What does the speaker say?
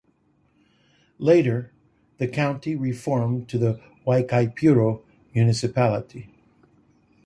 Later the county reformed to the Guaicaipuro Municipality.